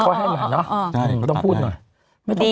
เขาให้หน่อยเนาะต้องพูดหน่อย